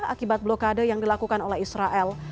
akibat blokade yang dilakukan oleh israel